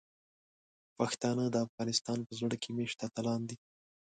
پښتانه د افغانستان په زړه کې میشته اتلان دي.